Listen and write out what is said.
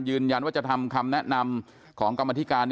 ยืนยันว่าจะทำคำแนะนำของกรรมธิการ